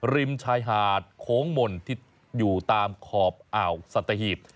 ริมชายหาดโค้งมนที่อยู่ตามขอบอ่าวสัตหีบ